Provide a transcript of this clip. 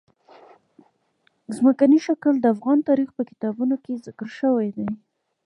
ځمکنی شکل د افغان تاریخ په کتابونو کې ذکر شوی دي.